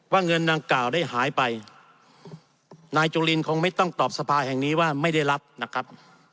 เงินดังกล่าวได้หายไปนายจุลินคงไม่ต้องตอบสภาแห่งนี้ว่าไม่ได้รับนะครับ